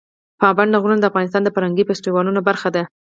پابندي غرونه د افغانستان د فرهنګي فستیوالونو برخه ده.